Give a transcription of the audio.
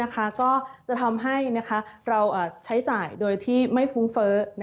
ก็จะทำให้เราใช้จ่ายโดยที่ไม่ฟุ้งเฟ้อ